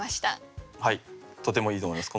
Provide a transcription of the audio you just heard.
とてもいいと思います。